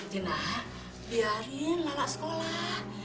dina biarin lala sekolah